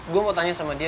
gue mau tanya sama dia